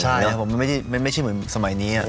ใช่ครับมันไม่ใช่เหมือนสมัยนี้